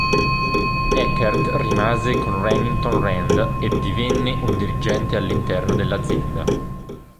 Eckert rimase con Remington Rand e divenne un dirigente all'interno dell'azienda.